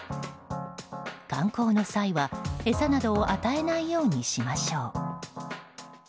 観光の際には、餌などを与えないようにしましょう。